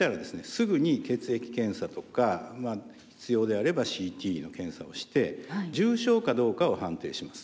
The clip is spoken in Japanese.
すぐに血液検査とか必要であればＣＴの検査をして重症かどうかを判定します。